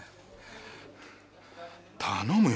頼むよ。